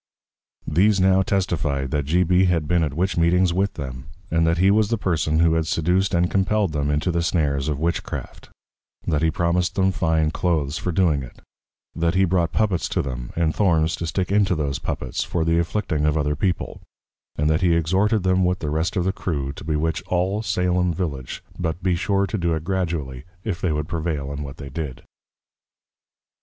These now testified, that G. B. had been at Witch meetings with them; and that he was the Person who had Seduc'd, and Compell'd them into the snares of Witchcraft; That he promised them Fine Cloaths, for doing it; that he brought Poppets to them, and Thorns to stick into those Poppets, for the Afflicting of other People; and that he exhorted them with the rest of the Crew, to Bewitch all Salem Village, but besure to do it Gradually, if they would prevail in what they did.